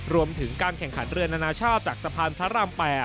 รวมถึงการแข่งขันเรือนานาชาติจากสะพานพระราม๘